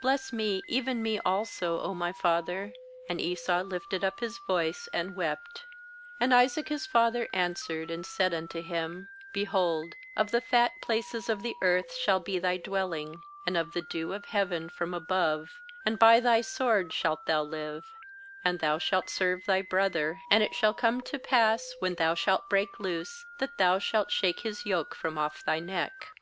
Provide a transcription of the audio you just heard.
bless me, even me also, 0 my father/ And Esau lifted up his voice, and wept. 89And Isaac his father answered and said unto him: Behold, of the fat places of the earth shall be thy dwelling, And of the dew of heaven from above; ^And by thy sword shalt thou live, and thou shalt serve thy broth er; And it shall come to pass when thou shalt break loose, That thou shalt shake his yoke from off thy neck.